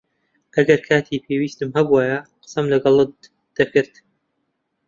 ئەگەر کاتی پێویستم هەبووایە، قسەم لەگەڵت دەکرد.